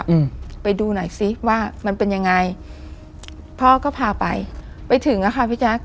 อืมไปดูหน่อยสิว่ามันเป็นยังไงพ่อก็พาไปไปถึงอ่ะค่ะพี่แจ๊ค